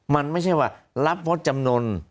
มันไม่ใช่ว่ารับงดจำนวน